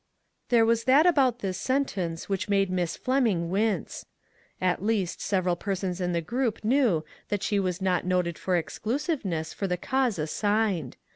There was that about this sentence which made Miss Fleming wince. At least, several persons in the group knew that she was not noted for exclusiveness for the cause assigned.